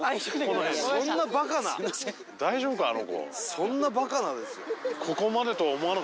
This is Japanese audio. そんなバカなですよ。